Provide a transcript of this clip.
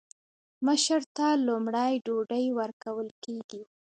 مشر ته لومړی ډوډۍ ورکول کیږي.